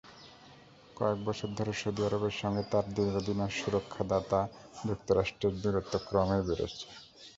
কয়েক বছর ধরে সৌদি আরবের সঙ্গে তার দীর্ঘদিনের সুরক্ষাদাতা যুক্তরাষ্ট্রের দূরত্ব ক্রমেই বেড়েছে।